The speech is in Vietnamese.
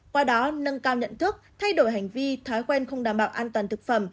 qua đó nâng cao nhận thức thay đổi hành vi thói quen không đảm bảo an toàn thực phẩm